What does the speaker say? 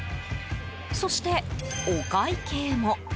そして、お会計も。